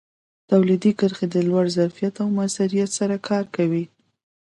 تولیدي کرښې د لوړ ظرفیت او موثریت سره کار کوي.